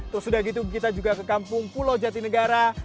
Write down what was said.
terus sudah gitu kita juga ke kampung pulau jatinegara